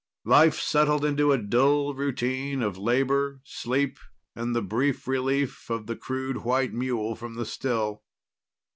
Life settled into a dull routine of labor, sleep, and the brief relief of the crude white mule from the still.